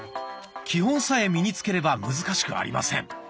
基本さえ身につければ難しくありません。